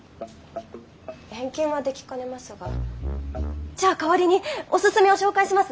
返金はできかねますがじゃあ代わりにおすすめを紹介しますね。